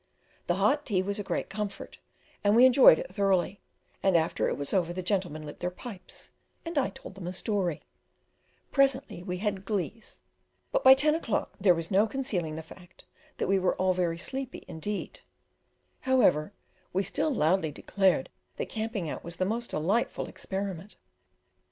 The hot tea was a great comfort, and we enjoyed it thoroughly, and after it was over the gentlemen lit their pipes, and I told them a story: presently we had glees, but by ten o'clock there was no concealing the fact that we were all very sleepy indeed; however, we still loudly declared that camping out was the most delightful experiment.